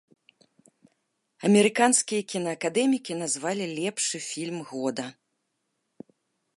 Амерыканскія кінаакадэмікі назвалі лепшы фільм года.